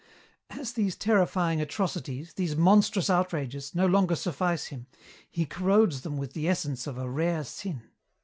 "As these terrifying atrocities, these monstrous outrages, no longer suffice him, he corrodes them with the essence of a rare sin.